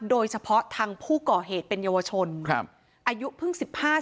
โดยเฉพาะทางผู้ก่อเหตุเป็นเยาวชนอายุพึ่ง๑๕๑๖